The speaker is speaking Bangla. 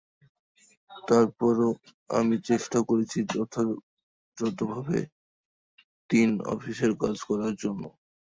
তার পরও আমি চেষ্টা করছি যথাযথভাবে তিন অফিসের কাজ করার জন্য।